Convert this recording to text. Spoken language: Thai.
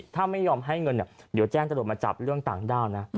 ถ้าไม่ยอมให้เงินเดี๋ยวแจ้งตำรวจมาจับเรื่องต่างด้าวนะ